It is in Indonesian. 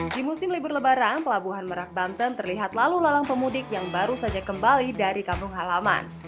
di musim libur lebaran pelabuhan merak banten terlihat lalu lalang pemudik yang baru saja kembali dari kampung halaman